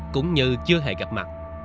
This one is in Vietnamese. cũng như chưa hề gặp mặt